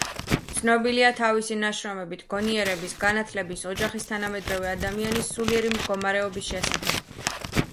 ცნობილია თავისი ნაშრომებით გონიერების, განათლების, ოჯახის, თანამედროვე ადამიანის სულიერი მდგომარეობის შესახებ.